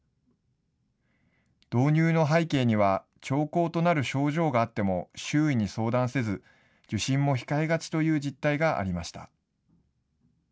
導入の背景には、兆候となる症状があっても、周囲に相談せず、受診も控えがちという実態がありました。